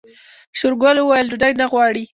شېرګل وويل ډوډۍ نه غواړي.